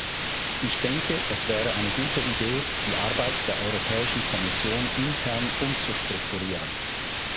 Ich denke, es wäre eine gute Idee, die Arbeit der Europäischen Kommission intern umzustrukturieren.